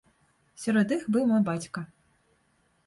Сярод іх быў мой бацька.